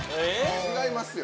違いますよ。